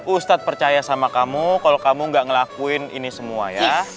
ustadz percaya sama kamu kalau kamu gak ngelakuin ini semua ya